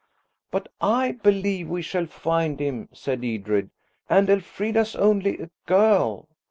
"But I believe we shall find him," said Edred, "and Elfrida's only a girl.